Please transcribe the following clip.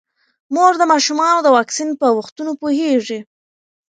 مور د ماشومانو د واکسین په وختونو پوهیږي.